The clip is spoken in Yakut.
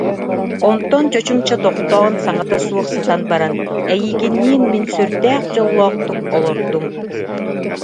Онтон чочумча тохтоон, саҥата суох сытан баран: «Эйигинниин мин сүрдээх дьоллоохтук олордум